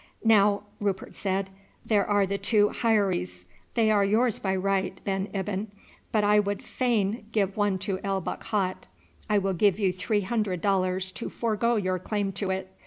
"Now," Rupert said, "there are the two heiries; they are yours by right, Ben Ibyn, but I would fain give one to El Bakhat. I will give you three hundred dollars to forego your claim to it.